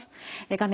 画面